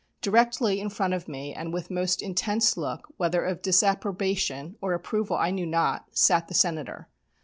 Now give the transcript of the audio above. Directly in front of me, and with most intense look, whether of disapprobation or approval I knew not, sat the Senator.